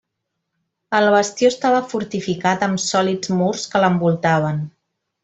El bastió estava fortificat amb sòlids murs que l'envoltaven.